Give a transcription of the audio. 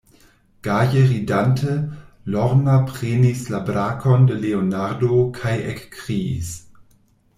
Gaje ridante, Lorna prenis la brakon de Leonardo kaj ekkriis: